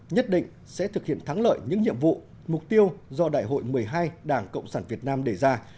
nhất định sẽ thực hiện thắng lợi những nhiệm vụ mục tiêu do đại hội một mươi hai đảng cộng sản việt nam đề ra